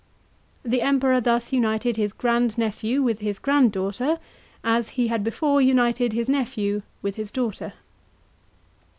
The Emperor thus united his grandnephew with his granddaughter, as he had before united his nephew with his daughter.